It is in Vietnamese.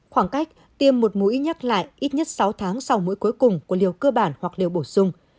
khoảng cách tiêm một mũi nhắc lại ít nhất sáu tháng sau mũi cuối cùng của liều cơ bản hoặc liều bổ sung